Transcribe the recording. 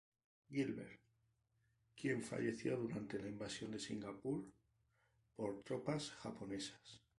Gilbert, quien falleció durante la invasión de Singapur por tropas japonesas.